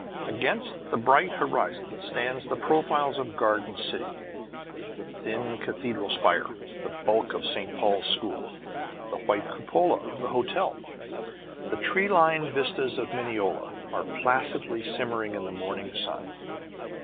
Against the bright horizon stand the profiles of Garden City: the thin cathedral spire, the bulk of St. Paul's school, the white cupola of the hotel. The tree lined vistas of Mineola are placidly simmering in the morning sun.